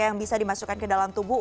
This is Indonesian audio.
yang bisa dimasukkan ke dalam tubuh